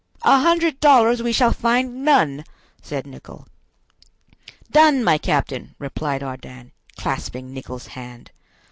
"A hundred dollars we shall find none!" said Nicholl. "Done, my captain!" replied Ardan, clasping Nicholl's hand.